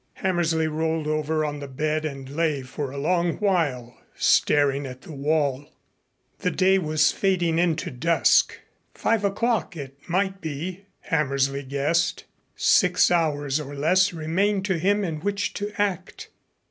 Hammersley rolled over on the bed and lay for a long while staring at the wall. The day was fading into dusk. Five o'clock, it might be, Hammersley guessed. Six hours or less remained to him in which to act.